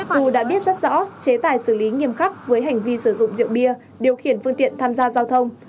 dù đã biết rất rõ chế tài xử lý nghiêm khắc với hành vi sử dụng rượu bia điều khiển phương tiện tham gia giao thông